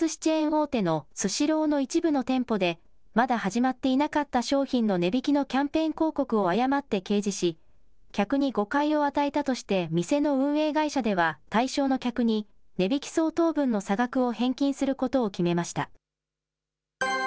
大手のスシローの一部の店舗で、まだ始まっていなかった商品の値引きのキャンペーン広告を誤って掲示し、客に誤解を与えたとして、店の運営会社では対象の客に、値引き相当分の差額を返金することを決めました。